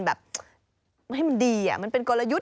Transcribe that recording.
ไม่ได้อย่างเงินดีเป็นกลยุทธ์